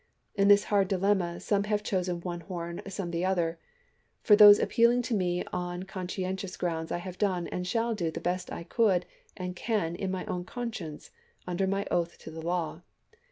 In this hard dilemma, some have chosen one horn, and some the other. For those appealing to me on conscientious grounds, I have done, and shall do, the best I could and can, in my own conscience, under my oath to the law.